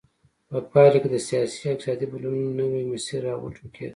په پایله کې د سیاسي او اقتصادي بدلونونو نوی مسیر را وټوکېد.